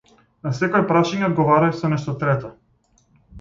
На секое прашање одговарај со нешто трето.